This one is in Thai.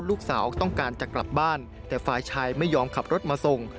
ลูกสาวต้องการจะกลับบ้านแต่ฝ่ายชายไม่ยอมขับรถมาส่ง